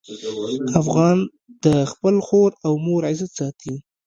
افغان د خپل خور او مور عزت ساتي.